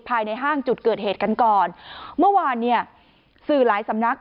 ภายในห้างจุดเกิดเหตุกันก่อนเมื่อวานเนี่ยสื่อหลายสำนัก